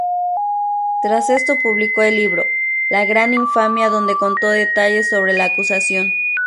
Tras esto publicó el libro "La gran infamia", donde contó detalles sobre la acusación.